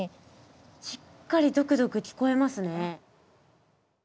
しっかりドクドク聞こえますね。